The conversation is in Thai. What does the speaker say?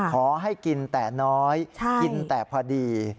ขอให้กินแต่น้อยกินแต่พอดี